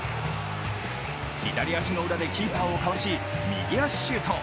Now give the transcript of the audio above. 左足の裏でキーパーをかわし、右足シュート。